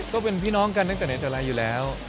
ก็เป็นพี่น้องกันตั้งแต่ไหนแต่ไรอยู่แล้ว